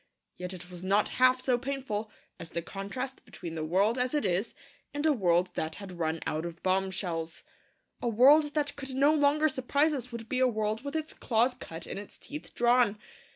Yet it was not half so painful as the contrast between the world as it is and a world that had run out of bombshells. A world that could no longer surprise us would be a world with its claws cut and its teeth drawn.